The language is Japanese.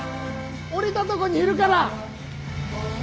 降りたとこにいるから。